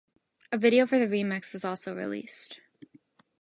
A video for the remix was also released.